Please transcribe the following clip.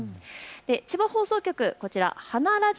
千葉放送局、花らじ